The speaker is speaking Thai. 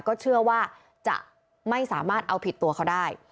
ก็เชื่อว่าจะไม่สามารถเอาผิดตัวเขาได้